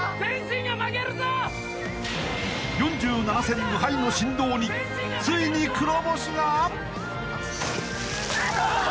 ［４７戦無敗の神童についに黒星が！？］